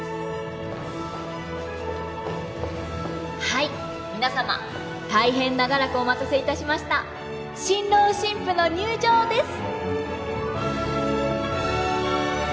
はい皆様大変長らくお待たせいたしました新郎新婦の入場です！